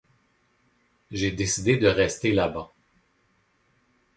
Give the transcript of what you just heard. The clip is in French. J'ai décidé de rester là bas.